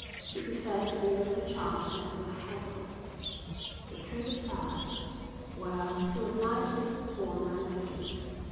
He preferred to be over charged than to haggle. The trader sighed. "Well, to oblige Mr Swan I'll take it."